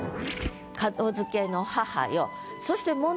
「門付けの母よ」